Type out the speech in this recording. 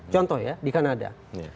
contoh ya di kanada